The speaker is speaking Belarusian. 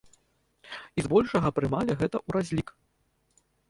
І збольшага прымалі гэта ў разлік.